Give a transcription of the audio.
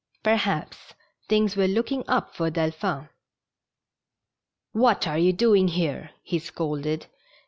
Perhaps things were looking up for Delphi n. "What are you doing here? " he scolded.